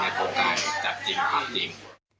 ไม่โปรดการจัดจริง